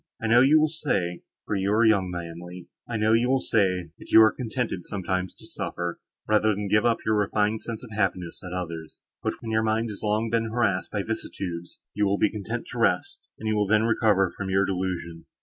I know you will say, (for you are young, my Emily) I know you will say, that you are contented sometimes to suffer, rather than to give up your refined sense of happiness, at others; but, when your mind has been long harassed by vicissitude, you will be content to rest, and you will then recover from your delusion.